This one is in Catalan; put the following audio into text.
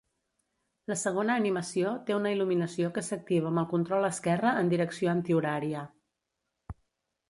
La segona animació té una il·luminació que s"activa amb el control esquerre en direcció antihorària.